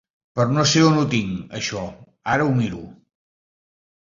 Però no sé on ho tinc, això, ara ho miro.